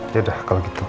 yaudah kalau gitu